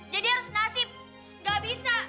jadi harus nasib gak bisa